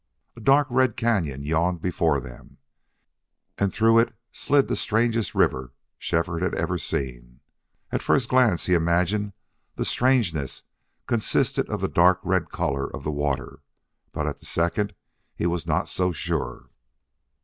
A dark red cañon yawned before them, and through it slid the strangest river Shefford had ever seen. At first glance he imagined the strangeness consisted of the dark red color of the water, but at the second he was not so sure.